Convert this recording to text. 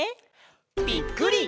ぴっくり！